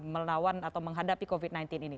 melawan atau menghadapi covid sembilan belas ini